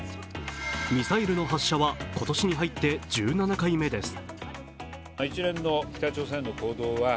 ミサイルの発射は今年に入って１７回目です。